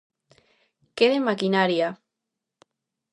Que de maquinaria!